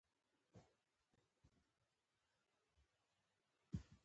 قاعده د ژبي بنسټ جوړوي.